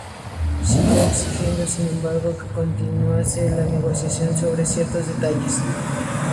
Siguió exigiendo, sin embargo, que continuasen las negociaciones sobre ciertos detalles.